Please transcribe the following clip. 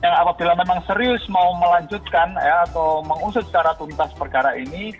yang apabila memang serius mau melanjutkan atau mengusut secara tuntas perkara ini